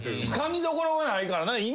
つかみどころがないからな。